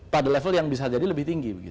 pada level yang bisa jadi lebih tinggi